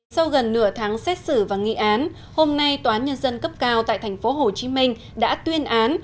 sau gần nửa tháng xét xử và nghi án hôm nay toán nhân dân cấp cao tại tp hcm đã tuyên án